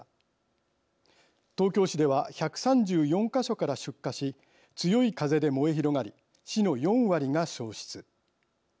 東京市では１３４か所から出火し強い風で燃え広がり市の４割が焼失。